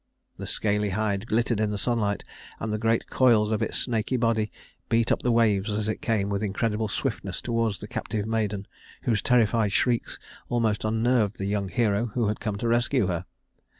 The scaly hide glittered in the sunlight, and the great coils of its snaky body beat up the waves as it came with incredible swiftness toward the captive maiden, whose terrified shrieks almost unnerved the young hero who had come to rescue her.